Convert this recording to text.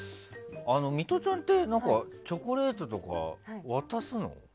ミトちゃんってチョコレートとか渡すの？